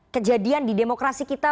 kejadian di demokrasi kita